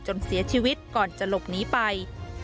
เสียชีวิตก่อนจะหลบหนีไป